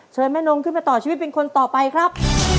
เชิญแม่นงขึ้นมาต่อชีวิตเป็นคนต่อไปครับ